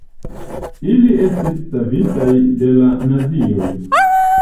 Ili estis savitaj de la nazioj.